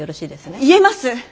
言えます。